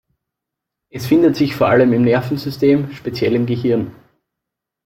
Es findet sich vor allem im Nervensystem, speziell im Gehirn.